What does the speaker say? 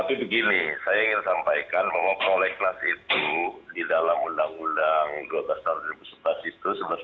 tapi begini saya ingin sampaikan bahwa prolegnas itu di dalam undang undang dua belas tahun dua ribu sebelas itu